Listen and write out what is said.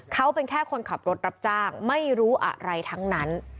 เขาเป็นแค่คนขับรถรับจ้างไม่รู้อะไรทั้งนั้น